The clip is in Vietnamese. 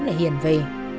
là hiền về